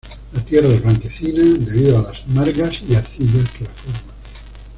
La tierra es blanquecina, debido a las margas y arcillas que la forman.